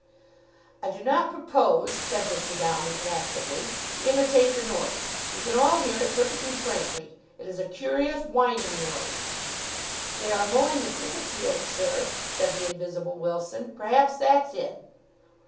"I do not propose," said Mr. Downing acidly, "to imitate the noise; you can all hear it perfectly plainly. It is a curious whining noise." "They are mowing the cricket field, sir," said the invisible Wilson. "Perhaps that's it."